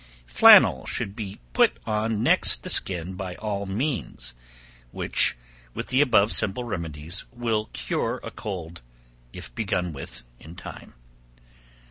Flannel should be put on next the skin by all means, which, with the above simple remedies, will cure a cold, if begun with in time.